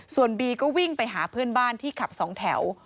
ส่วนบีก็วิ่งไปหาเพื่อนบ้านที่ขับสองแถว